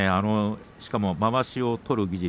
しかもまわしを取る技術。